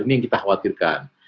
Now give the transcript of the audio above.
ini yang kita khawatirkan